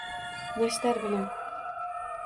Nashtar bilan